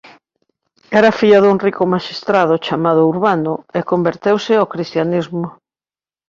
Era filla dun rico maxistrado chamado Urbano e converteuse ao cristianismo.